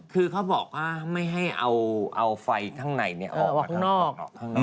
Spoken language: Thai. คือเขาบอกว่าไม่ให้เอาไฟข้างในออกข้างนอก